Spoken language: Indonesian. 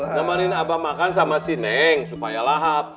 nyamanin abah makan sama si neng supaya lahap